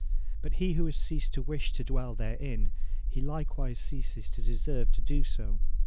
But he who has ceased to wish to dwell therein, he likewise ceases to deserve to do so.